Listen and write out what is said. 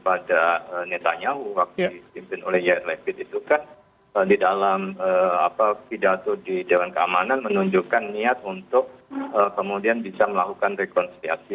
pada netanyahu waktu disimpin oleh yer levit itu kan di dalam pidato di dewan keamanan menunjukkan niat untuk kemudian bisa melakukan rekonsiliasi